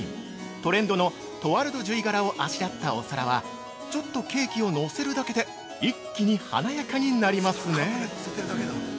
トレンドのトワルドジュイ柄をあしらったお皿はちょっとケーキを乗せるだけで一気に華やかになりますね！